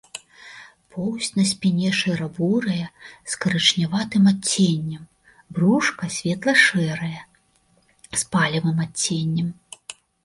Поўсць на спіне шэра-бурая з карычняватым адценнем, брушка светла-шэрае з палевым адценнем.